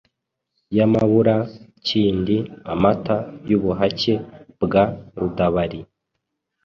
yamabura Kindi amata y’ubuhake bwa Rudabari